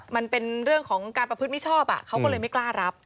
มันเป็นเรื่องของการประพฤติมิชอบเขาก็เลยไม่กล้ารับ